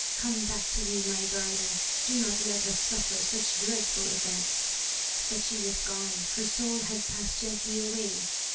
come back to me, my darling! Do not let us suffer such dreadful events." But she was gone; her soul had passed gently away.